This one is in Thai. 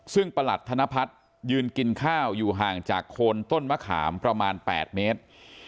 ซึ่งประหลัดธนพัฒน์ยืนกินข้าวอยู่ห่างจากโคนต้นมะขามประมาณ๘เมตร